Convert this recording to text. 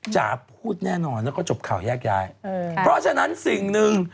จ๋าพูดแน่นอนแล้วก็จบข่าวแยกย้ายเพราะฉะนั้นสิ่งหนึ่ง